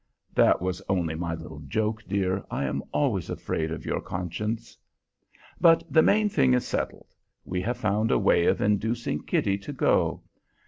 (That was only my little joke, dear; I am always afraid of your conscience.) But the main thing is settled; we have found a way of inducing Kitty to go.